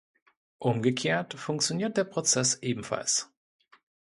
Umgekehrt funktioniert der Prozess ebenfalls.